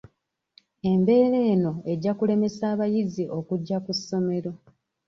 Embeera eno ejja kulemesa abayizi okujja ku ssomero.